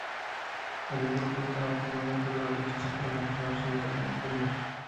Le había propuesto matrimonio, pero lo rechazó para continuar su educación superior.